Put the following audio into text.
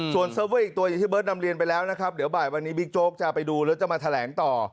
ส่วนเซิร์ฟเวอร์อีกตัวอย่างที่เบิร์ตนำเรียนไปแล้วนะครับเดี๋ยวบ่ายวันนี้บิ๊กโจ๊กจะไปดูแล้วจะมาแถลงต่อ